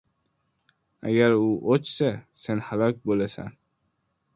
Agar u o‘chsa — sen halok bo‘lasan.